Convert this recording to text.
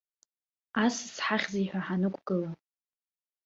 Ас зҳахьзи ҳәа ҳанықәгыла.